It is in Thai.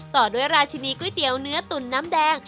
ต่อด้วยราชินีก๋วยเตี๋ยวเนื้อตุ๋นน้ำแดง